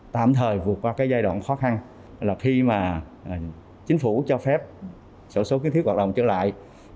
tạm thời vượt qua giai đoạn khó khăn khi mà chính phủ cho phép sổ số kích thước hoạt động trở lại